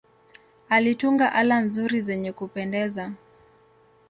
Alitunga ala nzuri zenye kupendeza.